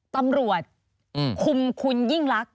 ตำรวจคุมคุณยิ่งลักษณ